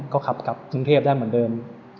ก็ขับกลับกรุงเทพได้เหมือนเดิม